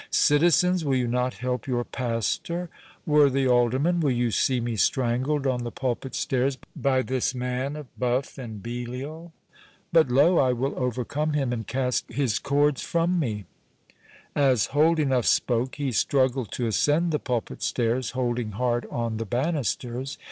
—Citizens, will you not help your pastor?—Worthy Alderman, will you see me strangled on the pulpit stairs by this man of buff and Belial?—But lo, I will overcome him, and cast his cords from me." As Holdenough spoke, he struggled to ascend the pulpit stairs, holding hard on the banisters.